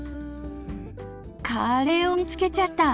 カレーを見つけちゃいました。